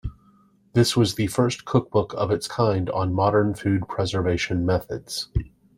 This was the first cookbook of its kind on modern food preservation methods.